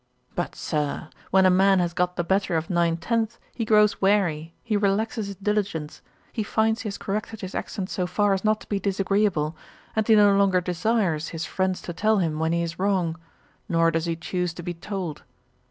But, Sir, when a man has got the better of nine tenths he grows weary, he relaxes his diligence, he finds he has corrected his accent so far as not to be disagreeable, and he no longer desires his friends to tell him when he is wrong; nor does he choose to be told.